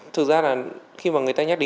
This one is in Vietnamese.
thực ra là khi mà người ta nhắc đến